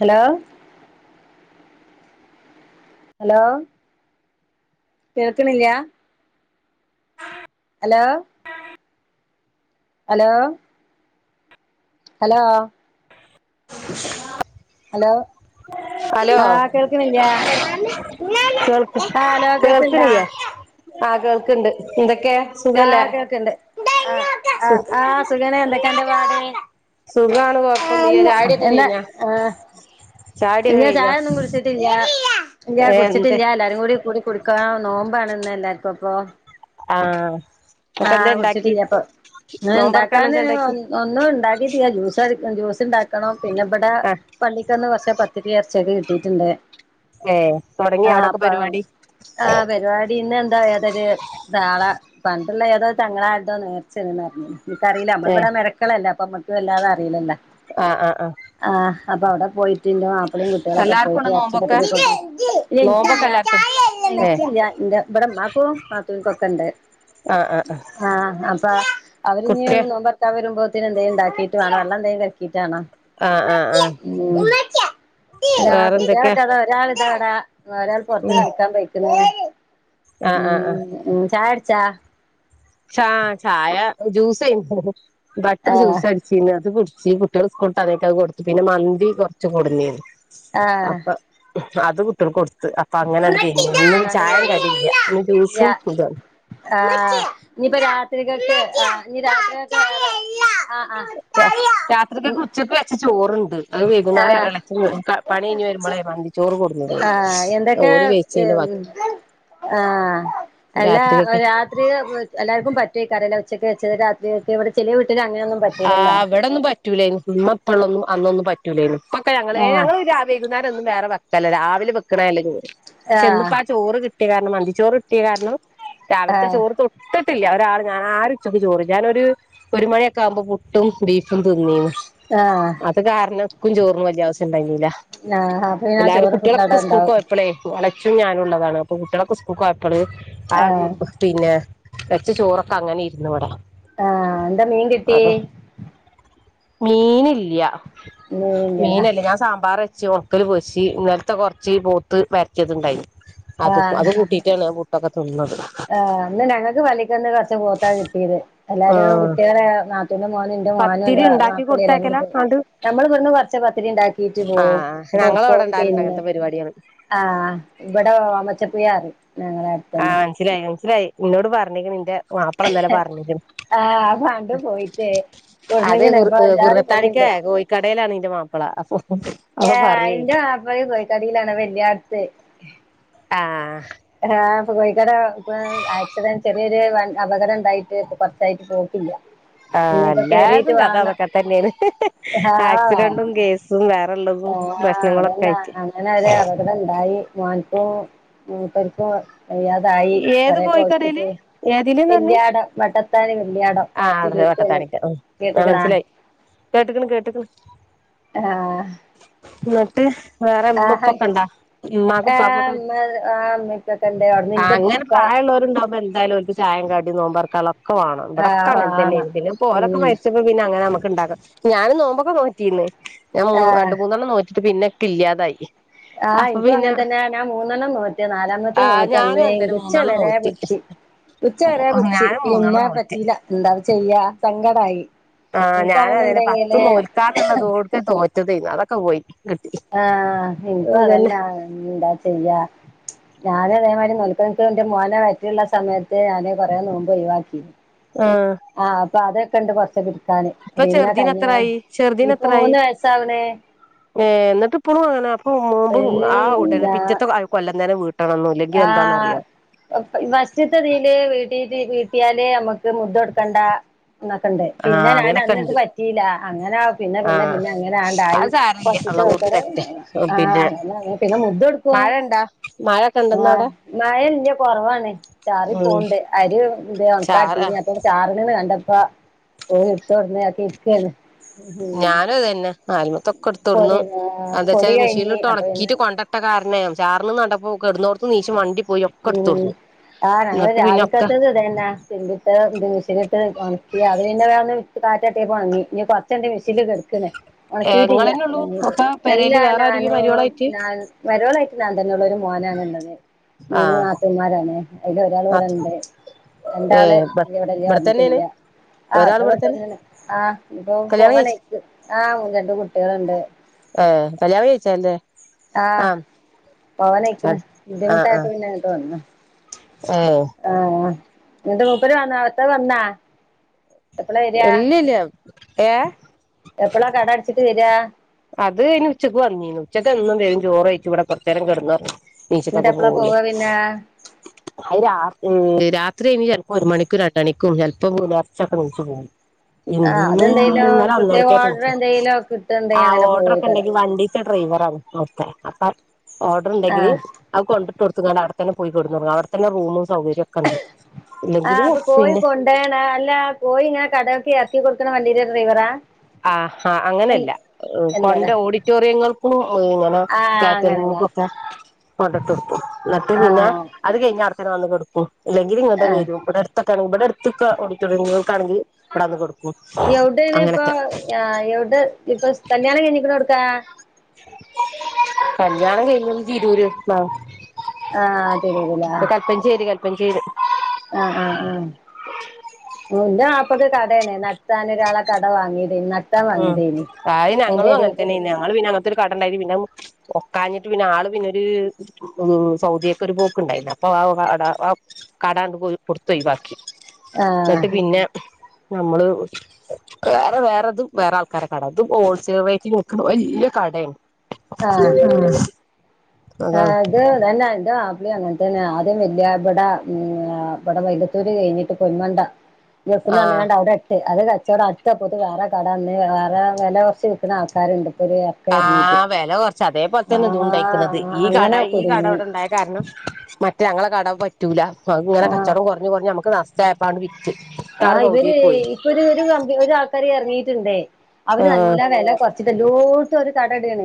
hello hello കേൾക്കണില്ല hello hello hello [unintelligible] hello hello ആ കേൾക്കുന്നില്ല ആ കേൾക്ക ഇണ്ട ആ കേൾക്കുണ്ട് എന്തൊക്കെയ സുഖല്ലേ ആ ആ സു ആ സുഖന എന്തൊക്കെയണ്ട് പാട് സുഖാണ് ആ കൊഴപ്പൊന്നുല്ല ചായുടിയൊക്കെ എന്താ കഴിഞ്ഞാ ആഹ ചായുടിയൊക്കെ പിന്ന കഴിഞ്ഞാ ചായൊന്നും കുറിച്ചിട്ടില്ല ഇല്ല ഏഹ് എന്തേ കുറിച്ചിട്ടില്ല എല്ലാരും കൂടി കുടുക്ക നോമ്പണന്ന എല്ലർക്കും അപ്പൊ ആഹ ആഹ് കുടിച്ചിട്ടില്ല അപ്പൊ നോമ്പൊർക്കാൻ ഇണ്ടാക്കാന് എന്താ ഇണ്ടാക്കി ഒന്നും ഇണ്ടാക്കിട്ടില്ല ജ്യൂസ് ജ്യൂസ് ഉണ്ടാക്കണം പിന്നെ ഇവിടെ ആഹ് പള്ളിക്കൊന്ന് കുറച്ചേ പത്ത്ട്ട ഇർച്ചൊക്കെ കിട്ടിയിട്ടുണ്ട് ഏഹ് തൊടങ്ങിയോ ആഹ അവ്ടൊക്കെ അപ്പൊ പരിപാടി ആ പരിപാടിന്ന് എ തോ ഏതൊരു താളെ പണ്ടുള്ള ഏതോ തങ്ങളാന്തോ നേർച്ചന്ന് അഞ്ഞ എനിക്കറിയില്ല നമ്മള ഇവിടെ മരക്കളല്ല അപ്പ നമ്മുക്ക്ല്ലത അറിയില്ലോ ആഹ ആഹ ആഹ അപ്പൊ അവിടെ പോയി് മാപ്പളീം കുട്ടികള ഒക്കെ എല്ലാർക്കും പോയിട്ട് ഉണ്ടോ ഇറച്ചി നോമ്പൊക്കെ പത്തിരി നോമ്പൊക്കെ എല്ലാർക്കും ഏഹ് ന്റെ ഇവിടെമമാക്കും നാത്തുനക്കൊക്കെ ഇണ്ട് ആഹ് ആഹ് ആഹ് ആഹ അപ്പൊ അവരിനി കുട്ട്യ നോമ്പത്താ വരുമ്പോ ന്തെും ഉണ്ടാക്കിട്ട് വേണം വെള്ളം എന്തെങ്കും ആഹ് ആഹ് ആഹ് ണ്ടാക്കിട്ടാണ വേണം ആ വേറെന്തൊക്കെ കുട്ടികളൊക്കെ ത ഒരാൾ ഇതാടാ ഒരാൾ പൊറത്ത് ഉം കളിക്കാൻ പയിക്കുന്നു ആഹ് ആഹ് ആഹ് ഉം ഉ ചായടചാ ചായ ജ്യൂസ് ബട്ടർ ആഹ് ജ്യൂസ് അടിച്ചന്ന് അത് കു ഈ കുട്ടികൾ സ്കൂളിട്ട് അതിനേക്കത് കൊടുത്തു പിന്നെ മന്തി കുറച്ച് കൊടുന്ന ആ അത് കുട്ട്കൾക്ക് കൊടുത്ത് അപ്പൊ അങ്ങനെയ കഴഞ്ഞഞ് ഇന്നും അതോണ്ട് ചായയും കഴിഞ്ഞ് കടിയില്ല ഇ ജ്യൂസും ഇത ആ ഇനിയിപ്പ രാത്രികൾക്ക് ആ ഇഞ് രാത്രികൾക്ക ആആ രാത്രിക്കൊക്കെ ഉച്ചക്ക് വെച്ച ചോറുണ്ട് അത് വൈകുന്നല് എലഛം പണി കഴിഞ്ഞ് ആഹ് വരുമ്പോളേ മന്തി ചോറ് കൊടുന്നത് ആഹ് എന്തൊക്കെ ഓല് വെച്ച് ഉം ആ എല്ലാ രാത്രികക്ക് രാത്രി എല്ലാർക്കും പറ്റോക്കറല്ല ഉച്ചക്ക് വെച്ചത് രാത്രിെടെ ചെറിയ വീട്ട ആ അവിടെന്നും പറ്റൂലന നിമ്മപ്പള്ളൊന്നും അന്നൊന്നും പറ്റൂലേ പക്ക ഞങ്ങള് ആഹ് ഞങ്ങൾ വൈകുന്നേരം ഒന്നുംവേറെ വെക്കല്ല രാവിലെ വെക്കണല്ലേ പക്ഷെ ആഹ് ഇന്നിപ്പോ ആ ചോറ് കിട്ടിയ കാരണം മന്തിച്ചോറ് കിട്ടിയ കാരണം രാവിലത്തെ ആഹ് ചോറ് തൊട്ട് തൊട്ടില്ല ഒരാൾ ഞാൻ ആരുച്ചക്കെ ചോറ് ഞാനൊരു ഒരു മണിയൊക്കെ ആവുമ്പോ പുട്ടും ബീഫും തിന്നീന്ന് ആഹ് അത് കാരണംക്കും ചോറിന്ന വലയാവസ ണ്ടായിനില്ല ആഹ് അപ്പൊ പിന്നെ ആ എല്ലാരും ചോറ് ഫുള്ള് കുട്ടികളൊക്കെ അവിടെ സ്കൂൾ ഇണ്ടാവും പോയപ്പളേള ച്ചും ഞാനുള്ളതാണ് അപ്പൊ കുട്ടികളക്കായപ്പള് ആ ആഹ് പിന്നെ വെച്ച ചോറൊക്കെ അങ്ങനെ ഇരുന്നു ഇവിട ആ എന്താ മീൻ കിട്ടി മീനില്ല മീനില്ലല്ലേ മീനല്ലേ ഞാൻ സാമ്പാർ ച ഉണക്കൽ പൊരിച്ചു ഇന്നലത്തെ കുറച്ച് പോത്ത് വരട്ടിയത്ണ്ടായി അത് അത് കൂട്ടിയിട്ടാണ് ബുട്ടൊക്കെ തിന്നുന്നത് ആ അന്ന് ഞങ്ങൾക്ക് വലിക്ക ഒന്ന് കുറച്ച പോത്താ കിട്ടിയത് എല്ലാരും ആഹ് കുട്ടികള നാത്തൂന്റെ മോന എന്റെ മോനും പത്തിരി എന്റെ ഉണ്ടാക്കി നാപ്പളി എല്ലയി കൊടുത്തയക്കലാ ആണ്ട് നമ്മൾ ഇവിടുന്ന്റച്ച പത്തിരി ഉണ്ടാക്കിയിട്ട് പോവും ആ ഞങ്ങള അവിടെ ഉണ്ടായാലുണ്ട് അങ്ങനത്തെ പരിപാടികാണ് ആ ഇവിടെ അമ്മച്ചപ്പ്യാറ് ആ മനസ്സിലായി മനസിലായി നിന്നോട് പറഞ്ഞക്ക്ന് ന്റെ മാപ്പിള ഇന്നലെ പറഞ്ഞ്ക്ക്ന് ആഹ് ആ പണ്ട് പോയിട്ട് അതെ കൊടുന്ന്ക്ക്ണ് കു അപ്പൊ അഞ്ചാറ് കുറത്താണിക്ക പൊതിണ്ട് കോഴിക്കടയിലാണ് ഇന്റെ മാപ്പിള അപ്പൊ ഏ അപ്പൊ പറയേ അയിന്റെ മാപ്പളാ കോഴിക്കാടിയിലാണ് വെല്യടത്ത് ആ ആ കോഴിക്കട ഇപ്പൊ ആക്സിഡന്റ് ചെറിയൊരു അപകടം ഉണ്ടായിട്ട് കൊറച്ചായിട്ട് പോക്കില്ല ആ ഇനിയിപ്പോ കേറീട്ട് അല്ലാതും കഥ വാണം അതൊക്കെ തന്നെയാണ് ആക്സിഡന്റും കേസും വേറെ ആഅതന്നെ അങ്ങനെ അവര് അപകടം ഇണ്ടായി വൽപ്പോ [unintelligible] അയ്യാതായി ഏത് കൊറെയൊക്കെ കോഴിക്കടയില് ഹോസ്പിറ്റല് ഏതില്ന്ന് പറഞ്ഞ് വെല്യാടം വട്ടത്താന് വെല്യാടം വട്ടത്താണിക്കൻ മനസ്സിലായി കേട്ടക്ക് ന് കേട്ടക്കന് ആഹ് ന്നട്ട് വേറെ ഇമ്മ ആഹ് ഇപ്പൊക്കെ ഉണ്ടാ ഉമ്മാക്ക ആഹ് ഉപ്പക്കൊക്കെ ഇമ്മ ആഹ് ഇമ്മക്കൊക്കെ ഇണ്ട് അവ്ട്ന്ന് ആഅങ്ങനെ ഇന്റെപ്പ പ്രായമുള്ളവരുണ്ടാവുമ്പോ എന്തായാലും ഒരു ചായം കാടി നോമ്പാർക്ക ഒക്കവാണം ആഹ് ഇവിടൊക്കെങ്ങനെ തന്നെയ ആണ് പിന്നെ ഓലൊക്കെ ഉം മരിച്ചപ്പോ പിന്നെ അങ്ങനെമു ണ്ടാക്കും ഞാനും നോമ്പൊക്കെ നോറ്റിന്നേ ഞാൻ ആഹ് രണ്ടു മൂന്നെണ്ണം നോറ്റിട്ട് പിന്നെ ഒക്കെ ഇല്ലാതായി അപ്പൊ ആഇപ്പൊ പിന്നെ അങ്ങനെ തന്നെയ ഞാൻ മൂന്നെണ്ണം നോറ്റ നാലാമത്തെ ആഹ് നോറ്റ ഞാനും അന്ന് അങ്ങൻതന്നെ കുച്ച മൂന്നെണ്ണം വര നോറ്റ് പിടിച്ചു ഉച്ച വര പിടിച്ചു ഞാനും മൂന്നെണ്ണം പിന്നെ നോറ്റ് പറ്റീല എന്താ ചെയ്യാ സങ്കടായി ആ ഞാന അതെന്നെ പത്ത് ഇൻക്കാണെന്നുണ്ടെങ്കില് തോൽക്കാന്നുള്ളത നോറ്റത അതൊക്കെ പോയി കിട്ടി ആ എനിക്കും അതന്നെ അതന്നാ എന്താ ചെയ്യാ ഞാന അതേ ക്ക് എന്റെ മോനെ വറ്റിയുള്ള സമയത്ത് ഞാനാന് കൊറെേ നോമ്പ് ഒഴവാക്കി ആഹ് ആഅപ്പൊ അതൊക്കെണ്ട് ച്ച പിടക്കെ ഇപ്പൊ പിന്നെ ചെറുതിന് കഴിഞ്ഞ എത്രായി ഇപ്പൊ മൂന്ന് വയസാവണേ ഏ എന്നിട്ട് ഇപ്പഴും അന അപ്പൊ നോമ്പ് ഏയ് ആ ഉടനെ പിറ്റത്തെ കൊല്ലം തന്നെ വീട് ആ ഫാസ്റ്റിത്തെ ഇതിൽ വീട്ടിയാലേ നമ്മുക്ക് മുദ കൊടുക്കേണ്ട എന്നൊക്കെണ്ട് പിന്നെ ആഹ് ഞാൻ അങ്ങനൊക്കെ അന്നൊക്കെ ഉണ്ട് പറ്റിയില്ല അങ്ങനെ പിന്നെ പിന്നെ ആഹ് പിന്നെ അങ്ങനെണ്ടായി അത് സാരല്ല അള്ളാഹ് ക്ക കൊടുത്തരട്ടെ ആ പിന്നെ പിന്നെ മുദ്ദ എടുക്കും മഴ ഇണ്ടാ മഴൊക്കെ ഇണ്ടെന്ന് ആഹ് അവിടെ മഴ ഇല്ല കുറവാണ് ചാറി ഉം പോണ്ട് അര് ചാറ ഇക്കട്ടീ അ ചാറി രണ്ടപ്പാ ഓ ഇടുത്തടന്നയാക്കി ഇക്ക മാലിമത്തൊക്കെ എടുത്തോടുന്നു എന്താ പൊടി വെച്ചാല് കഴിഞ്ഞ് മിഷീനിലിട്ട് അപ്പൊ പിന്നെ ഉണക്കിട്ട് കൊണ്ടട്ട കാരണേ ചാർന്ന്ണ്ടപ്പോൊെ ഇടന്ന്ോടടുന്ന് നീശം വണ്ടി പോയി ഒക്കെ എടുത്ത ഉം കൊടുു ആഹ് ഞങ്ങള് രാവത്തത്തത് ഇതന്ന ിട്ടശട്ട് ഉണക്കി അത് പിന്നെ വേന്ന് കാറ്റാട്ടെ വാങ്ങി ന കൊറച്ചെന്റെ മെഷീൽ കെടുക്കുന്നെ ഏഹ് ഉണക്കീയിട്ടില്ല ഇങ്ങളെന്നെ ഉള്ളൂ എീ് ഒക്കെ പെരേല് എല്ലാ വേറെ ആരുല്ല ഞാനും മരിയോളായിട്ട് ഞാൻ മരോളായിട്ട് ഞാൻ തന്നെയുള്ള മോനണള്ളത് മൂന്ന് ആഹ് നാത്തന്മാരാണ് അതില ഒരാൾ ഇവിടെണ്ട് ഏ എന്താള് ഇവിടെല്ല ഇവിടെ തന്നെയാണ് വന്നിട്ടില്ല ഒരാൾ ഇവിടെ തന്നെ ആട്ട ആ ഇപ്പൊ കല്യാണം പോങ്ങ കഴിച്ച ആ രണ്ട് കുട്ടികളുണ്ട് ആ കല്യാ വിഴിച്ചാല്ലേ ആഹ് പവനക്കന്ന് ആ ആ ബുദ്ധിമുട്ടായപ്പോ പിന്നെ അങ്ങട്ട് വന്ന ഏ ആഹ എന്നിട്ട മൂപ്പര് വന്ന അടുത്ത വന്നാ എല്ല ഇല്ലയ എപ്പഴാ കട അടിച്ചിട്ട് വരാ അത് അനി ഉച്ചയ്ക്ക് വന്നീ ഉച്ചക്ക്ന്നന്തേും ചോറ്ഴച്ച ഇവിടെ പ്രറയേരം കിടു പറഞ്ഞു എന്നിട്ട് ബീച്ചത്തൊക്കെ എപ്പളാ പോവുള്ളു പോവാ പിന്നെ അ ഇത്ര ചിലപ്പോ ഒരു മണിക്കൂും രണ്ട മണിക്കും ചിലപ്പോ മൂലർച്ചൊക്കെ നു പോും ആഹ് ഇന്ന ഇന്നാല അതെന്തേലും പ്രത്യേക അന്നരക്കായിട്ട ഓർഡർ എന്തെലും കിട്ടുണ്ടെങ്കി ആ അങ്ങനെ ഓർഡർ ഒക്കെ പോവേക്കാരം ഉണ്ടെങ്കി വണ്ടീത്തെ ഡ്രൈവർണ് ഓക്കെ അപ്പ ഓർഡർ ഉണ്ടെങ്കില് ആഹ് അവ കൊണ്ടിട്ട കൊടുക്ക അവിടെത്തന്നെ പോയി കൊ തുടങ്ങ അവിടെത്തന്നെ റൂമും സൗകര്യം ഒക്കെ ഉണ്ട് ആഹ് ഇല്ലെങ്കില് അപ്പൊ കോഴി പിന്നെ കൊണ്ടേണ അല്ല കോഴി ഇങ്ങനെ കടക്കെ ആക്കി കൊടുക്കണ വണ്ടിയട്ട ഡ്രൈവറാ ആഹ അങ്ങനെയല്ല കൊണ്ട അല്ലല്ലേ ഓഡിറ്റോറിയങ്ങൾക്കും ഇങ്ങനെ ആഹ് കാറ്റ അങ്ങനല്ലേ ക്ക കൊണ്ടട്ട കൊടുക്കും എന്നിട്ട് പിന്നെ ആഹ് അത് കഴിഞ്ഞ അനെ വന്ന് കൊടുക്കും ഇല്ലങ്ക ഇങ്ങളടെ ആഹ് വരും ഇവിടെടുൊക്കെങ്ക ഇവിടെടുൊെ ഓഡിോിയൾാണെങ്കിൽ ഇവിടെ വന്ന് കൊടുക്കും അങ്ങനൊക്കെ ആ് എവിടെ ഇപ്പൊ കല്യാണ എഞ്ഞിക്കണ കൊടുക്കാ കല്യാണം കഴിഞ്ഞ തിരൂര് ആ ആഹ തിരുതില പഞ്ങ്കേ [unintelligible] ആഹ ആഹ് ആഹ ഇന്റെ ആപ്പൊക്ക കടയന്നെ നത്താൻ ഒരാളെ കട വാങ്ങി ഉം അത് ഞങ്ങളും എടേ അങ്ങനെത്തന്നെ കൂടി ഞങ്ങള് പിന്നെ അങ്ങനത്തെൊ ഒരു കടണ്ടായി പിന്ന ഒക്കാഞ്ഞിട്ട് പിന്നെ ആള് പിന്നെൊരു സൗദിയൊക്കെ ഒരു പോക്ക് ഉണ്ടായിരുന്നു അപ്പൊ ആ കട കാടാണ്ട് പോയി കൊടുത്തയി ബാക്കി ആഹ് എന്നിട്ട് പിന്നെ നമ്മള് വേറെ വേറെതും വേറെ ആൾക്കാരടെ കട അതും ഹോൾസെയിൽ വറ്റി നോക്കണ വലിയ കടയാണ് ഉഏ [unintelligible] ആഹ അത നന്നായി ആപ്പിളി അങ്ങനത്തെന്നെ ആദ്യം വലിയ ഇവിടെ ഇവിടെ വൈല്ലത്തൂര് കഴിഞ്ഞിട്ട് പൊന്മണ്ട ഗൾഫിന്ന് ആഹ് വന്നതാണ് അവിടെ എട്ട് അത് കച്ചവടം അടുത്താ പോത് വേറെ കടന്ന് വേറെ വില കുറച്ച് വിൽക്കുന്ന ആൾക്കാരുണ്ട് ഇപ്പൊ ഒരു ഇറക്കം ഇറങ്ങിയിട്ട് ആ് വില കുറച്ച് അതേപോലെത്തന്നെ ഇത് ആഹ് ഉണ്ടക്കുന്നത് ഈ കട അങ്ങനെ ഈ കട കുടുങ്ങി ഇവിടെണ്ടായ കാരണം മറ്റ ഞങ്ങളെ കട പറ്റൂല അ ഇങ്ങന ആഹ് കച്ചടം കുറഞ്ഞഞ് കുറഞ്ഞഞ് നമക്ക് ന്ടയപ്പാ ആഹ് ഇവര് ഇപ്പൊ ഒരു ഒരു കമ്പി ഒ ആൾക്കാർ ഇറങ്ങീട്ടുണ്ട് അവര് ആഹ് നല്ല വില കുറച്ചിട്ട് എല്ലോട്ടും ഒരു കട എടക്കണ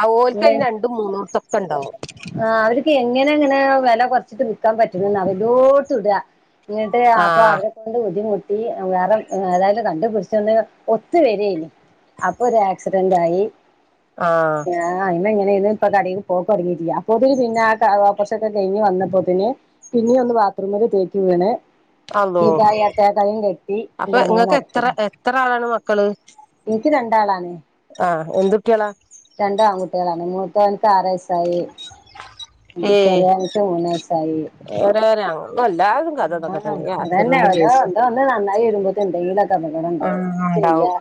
ആ ഓൽക്ക് അയിന് രണ്ടും മൂന്നോടത്തൊക്കെ ഉണ്ടാവും ആ അവർക്ക് എങ്ങനെ പി ഇങ്ങനെ വില കുറച്ചിട്ട് വിൽക്കാൻ പറ്റൂ വലോട്ട് ഇട ഇിട്ട് അപ്പൊ അവ ആഹ് ബുദ്ധിമുട്ടി വേറെ അതായത് കണ്ടുപിടിച്ചൊന്ന് ഒത്തു വരേനി അപ്പൊ ഒരു ആക്സിഡന്റ് ആയി ആഹ് ആ ഇ കടയിൽ പോക്ക തുടങ്ങിില്ല അപ്പോന് പിന്നെ ആ വഓപ്പൊഷോക്കെ ക്കെ കഴിഞ് വന്നപ്പോന് പിന്നെ ഒന്ന് ബാത്റൂമില് തേക്ക് വീണ് അള്ളോ ീപ [unintelligible] റ യാത്ര കളും കെട്ടി ഇവ അപ്പൊ അങ്ങനെ ഇങ്ങക്ക് എത്ര നടക്കണ്ട് എത്ര ആളാണ് മക്കള് എനിക്ക് രണ്ടാളാണ് ആഹ് എന്തുട്ട്യാളാ രണ്ട് ആൺകുട്ടികളാണ് വലുതിന് ആർവായസായി ചെറിയ എനക്ക് മൂനായ്സ് വ വല്ലും കാതതൊക്ക ത [unintelligible] ന്നെ അവരോ എന്ത വന്ന് നന്നായി വരുമ്പോ തന്റെ കീടൊക്കെ അപകടം ഉണ്ടാവും ആഹ് ഉണ്ടാവും ചെയ്യാ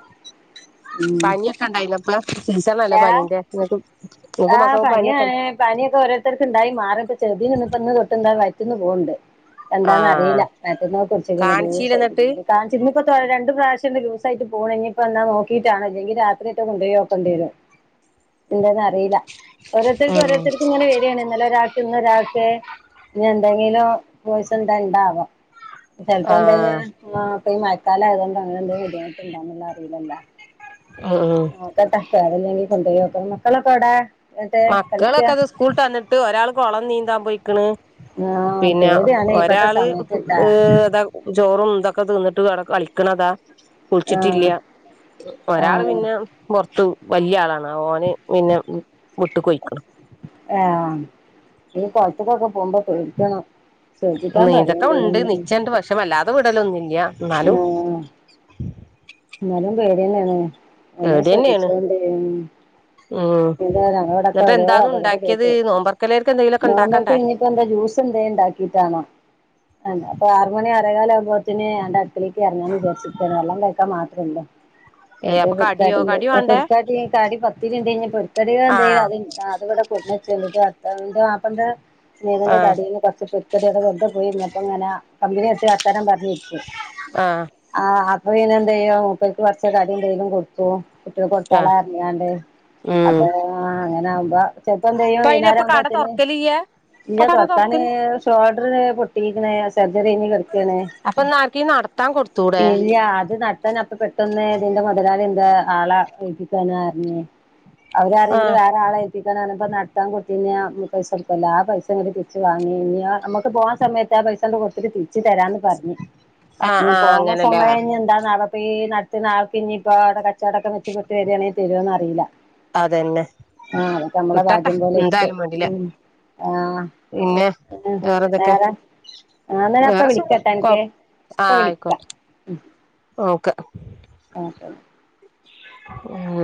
ഉം പനിയൊക്കെ ഉണ്ടായില്ല ഇപ്പ സീസണല്ലെ ഏഹ് പനിന്റെ ആഹ് പനിയാണ് പനിയൊക്കെ ഓരോത്തർക്ക് ഉണ്ടായി മാറും ഇപ്പ ചെറീനു ഇന്നിപ്പ ഇന്ന് തൊട്ടുണ്ട മറ്റന്ന് പോകണ്ട് എന്താന്ന് ആഹ് അറിയില്ല വയറ്റന്നോക്ക് പിടിച്ചക്കൻ കാണിച്ചീലെ എന്നിട്ട് കുറച്ച് കാണിച്ച ഇപ്പ രണ്ട് പ്രാവശംണ്ട് ലൂസായിട്ട് പോകണ ഇനി ഇപ്പോ എന്നാ നോക്കിട്ടാണ് ഇല്ലെങ്ക രാത്രിട്ട് കൊണ്ടയൊക്കെണ്ടി വരും എന്താന്നന്ന് അറിയില്ല ഓരോരുത്തർക്കും ഉം ഓരോത്തർക്ക ഇങ്ങെ വരികയാണ്ല്ല ഒൾ ുന്ന ഒരാൾക്ക് ഇ എന്തെങ്കിലും പോസം എന്ത ഉണ്ടാവാം [unintelligible] ചെിലപ്പോ ആഹ് എന്തെങ്കിലും ഇപ്പ മഴക്കാല ആയതുകൊണ്ട് അങ്ങനെ എന്തെങ്കും ബുദ്ധിമുട്ട്ണ്ടന്നുള്ള അറിയില്ലല്ലോ ഉം ക്കട്ടക്കറല്ലങ്കിൽ കൊണ്ട യോക്ക മക്കള കേടാ മക്കളൊക്കെ അത് സ്കൂളട്ട് തന്നിട്ട് ഒരാൾ കുളം നീന്താൻ പോയിക്കണ് ആഹ് പിന്നെ പേടിയാണ് ഇപ്പത്തെ ഒരാള് സമയത്ത്ട്ടാ ഏതാ ചോറും ഇന്തൊക്കെ തിന്നിട്ട് ട കളിക്കണതാ ആഹ് കുളിച്ചിട്ടില്ല ഒരാള് ആഹ് പിന്നെ പുറത്തു വലിയ ആളാണ് ഓന് പിന്നെ വിട്ട് കൊൊഴിക്കണം ആഹ ഇനി കുളത്തിക്കൊക്കെ പോകുമ്പോ പേടിക്കണം ശ്രദ്ധിക്കാൻ നീന്തൊക്കെ പറയണ്ടേ ഉണ്ട് നിച്ചണ്ട് പക്ഷെ വ ല്ലാതെ വിടലൊന്നുമില്ല നാലു ആഹ് എന്നാലും പേടിയന്നാണ് നല്ലോ പേടി തന്നെയാണ് ശ്രദ്ധിച്ചോണ്ടി ഉം എവിടെൊക്കെ എന്നിട്ട് ഓര എന്താന്ന് അത കടെ ഉണ്ടാക്കിയത് കേട്ട നോമ്പർക്കലേർക്ക് എന്തെങ്കിലുമൊക്കെ നോവ്പക്കെ ഉണ്ടാക്കണ്ടേ ഇപ്പോ എന്താ [unintelligible] ജ്യൂസ്‌ ന്തേം ഉണ്ടാക്കിട്ടാണം അല്ലാപ്പോ ആറുമണി മകാല അഭോവത്തിന് ന്റെ അടുത്തിലേക്ക് ഇറങ്ങാന്ന് വിചാസിക്ക വെള്ളം കേൾക്കാ മാത്രമല്ലോ ഏ [unintelligible] ഇത അപ്പൊ കടിയോ കടി പൊരുക്കാട വേണ്ടേ പൊക്കാട്ട കാടി പത്തിന്ണ്ട് കഴിഞ്ഞ പൊരുത്താടിക എന്തും ആഹ് അ അടെ ന്താച്ചാല് അന്റെ മാപ്പളന്റെ സ്നേഹിതന്റെ ആഹ് കടിന്ന് കൊറച്ച് പൊതിക്കടിയൊക്കെ വെർതെ പോയി ങ്ങനെ കമ്പനി അടിച് വർത്താനം പറഞ്ഞിരിക്കും ആഹ് ആ അപ്പ എന്തോ മുൂപ്പർക്ക് കൊറച്ച് കാര്യം എന്തെലും ചൈത് കൊടുക്കുവോ കുട്ട്യാക്ക് ആഹ് കൊടുത്താളാ പറഞ്ഞയാണ്ട് ഉം അപ്പൊ അങ്ങനെ ആകുമ്പോ ചെലപ്പം എന്ത് ചെയ്യും ഇപ്പൊ അയിന് ഇപ്പൊ കട വയ്നാരംകുമ്പോത്തിന് തുറക്കലില്ല ഇല്ല ഇപ്പൊ കട തൊറക്കാന് തുറക്കല് ഷോൾഡര് പൊട്ടിക്ക് ണ് സെർജറികയിഞ്ഞ് കടുക്കണേ അപ്പൊ എന്നാർക്കേലും നടത്താൻ കൊടുത്തൂടെ ഇല്ല അത് നടത്തൻപ്പ പെട്ടന്ന് ഇതിന്റെ മുതലാളി എന്താ ആളാ ഒഴിപ്പിക്കാനഞ്ഞേ അവരറിവില് ആഹ് വേറെ ആളെ നടത്താൻ കൊടുത്തി പൈസ കൊടുക്കല്ലോ ആ പൈസങ്ങെ തിരിച്ച് വാങ്ങി നു നമ്മക്ക് പോകവാ സമയത്ത് പൈസണ്ട് കൊട്ത്തിട്ട് തിച്ച് തരാന്ന് പറഞ്ഞഞ് ആഹ് ന ആഹ് പോണ അങ്ങനല്ലേ സമയത്ത് എന്താ അപ്പ ഈ നടത്തുന്ന ആൾക്ക് ഇനിയിപ്പോ അവിടെ കച്ചവടംക്കെ വെച്ച് കാട്ട് വരികയാണെങ്കിൽ തരുമോന്ന് അറിയില്ല അതന്നെ ആഹ് അതൊക്കെ നമ്മളെ കിട്ടട്ടെ ഭാഗ്യം പോലെ ഇരിക്കും എന്തായാലും വേണ്ടില്ല ഉ ആഹ് പിന്നെ ഉം പിന്നെ വേറെന്തൊക്കെ വേറെ ആന്നനെ അപ്പ വേറെ സുഖം വിളിക്കട്ടാ അൻക്ക് കൊഴ് ഇ പ്പൊ ആഹ് വിളിക്കാം ആയിക്കോട്ടെ ഓക്കെ ഓക്കെ ഉം